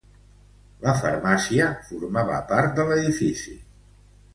La farmàcia formava part de l'edifici.